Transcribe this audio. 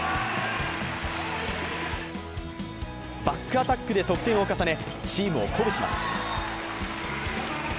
バックアタックで得点を重ね、チームを鼓舞します。